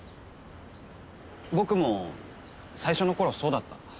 僕も最初のころはそうだった。